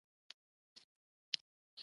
مصنوعي ځیرکتیا د انساني اصولو پابندي غواړي.